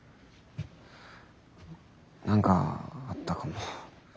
何かあったかも。